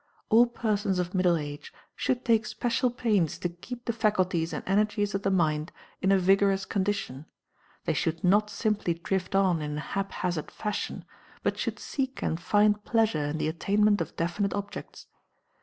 All persons of middle age should take special pains to keep the faculties and energies of the mind in a vigorous condition; they should not simply drift on in a haphazard fashion, but should seek and find pleasure in the attainment of definite objects.